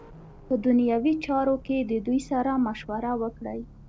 په دنیوی چارو کی ددوی سره مشوره وکړی .